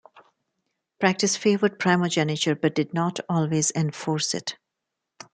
Practice favoured primogeniture but did not always enforce it.